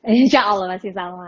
insya allah masih sama